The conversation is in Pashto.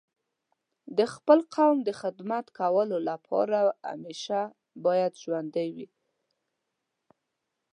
د خپل قوم لپاره د خدمت کولو اراده همیشه باید ژوندۍ وي.